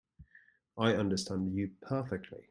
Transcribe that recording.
I understand you perfectly.